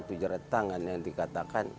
tujara tangan yang dikatakan